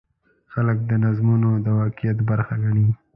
خلک دا نظمونه د واقعیت برخه ګڼي.